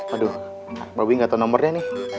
aduh bobi gak tau nomernya nih